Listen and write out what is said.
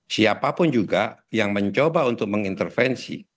siapapun juga yang mencoba untuk mengintervensi